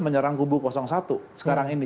menyerang kubu satu sekarang ini